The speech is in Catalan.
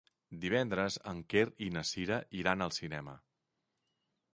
Divendres en Quer i na Cira iran al cinema.